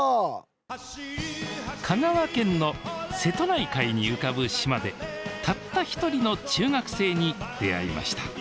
香川県の瀬戸内海に浮かぶ島でたった一人の中学生に出会いました